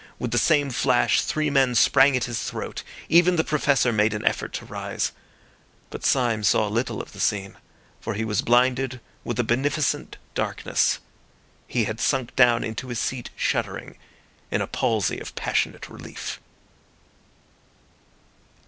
With the same flash three men sprang at his throat. Even the Professor made an effort to rise. But Syme saw little of the scene, for he was blinded with a beneficent darkness; he had sunk down into his seat shuddering, in a palsy of passionate relief.